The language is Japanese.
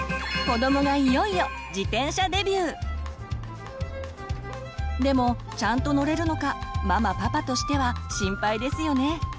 子どもがいよいよでもちゃんと乗れるのかママパパとしては心配ですよね。